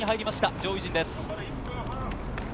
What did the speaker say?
上位陣です。